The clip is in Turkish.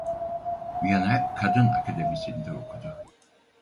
Viyana Kadın Akademisi'nde okudu.